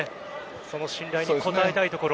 その信頼に応えたいところ。